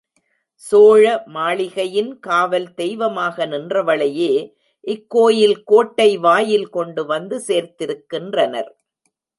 சோழ மாளிகையின் காவல் தெய்வமாக நின்றவளையே இக்கோயில் கோட்டை வாயில் கொண்டு வந்து சேர்த்திருக்கின்றனர்.